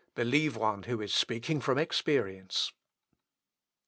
Believe one who is speaking from experience."